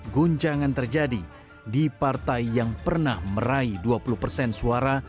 guncangan terjadi di partai yang pernah meraih dua puluh persen suara